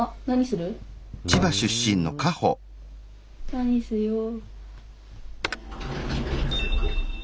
何しよう。